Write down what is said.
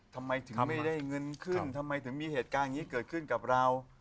ทำไมถึงไม่ได้เงินขึ้นทำไมถึงมีเหตุการณ์อย่างนี้เกิดขึ้นกับเรา